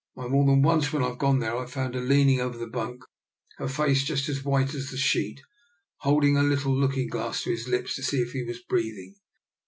Why, more than once when Tve gone in there I've found her leaning over the bunk, her face just as white as the sheet there, hold ing a little looking glass to his lips to see if he was breathing.